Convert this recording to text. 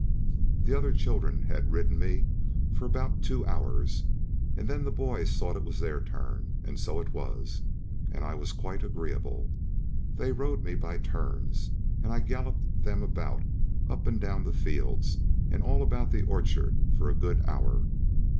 The other children had ridden me about for nearly two hours, and then the boys thought it was their turn, and so it was, and I was quite agreeable. They rode me by turns, and I galloped them about, up and down the fields and all about the orchard, for a good hour.